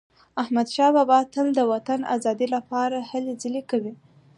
احمدشاه بابا تل د وطن د ازادی لپاره هلې ځلي کولي.